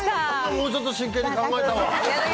もうちょっと真剣に考えたわ。